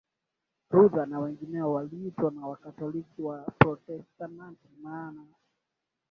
Luther na wengineo waliitwa na Wakatoliki Waprotestanti maana